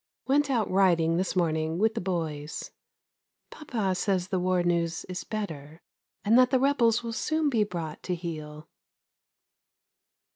Went out riding this morning with the boys. Papa says the war news is better, and that the rebels will soon be brought to heel.